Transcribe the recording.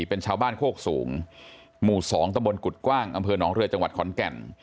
เป็นชาวบ้านโคกสูงหมู่๒ตะบนกุฎกว้างอำเภอหนองเรือจังหวัดขอนแก่น